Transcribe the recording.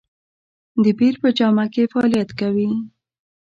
د پیر په جامه کې فعالیت کوي.